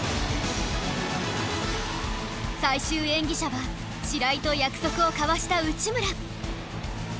最終演技者は白井と約束を交わした内村